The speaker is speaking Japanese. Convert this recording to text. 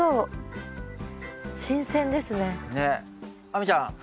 亜美ちゃん。